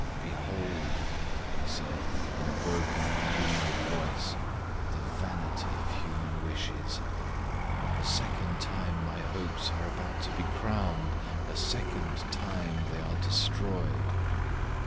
"Behold," he said, in a broken and inward voice, "the vanity of human wishes! a second time my hopes are about to be crowned, a second time they are destroyed.